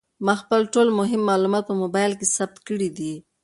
ما خپل ټول مهم معلومات په موبایل کې ثبت کړي دي.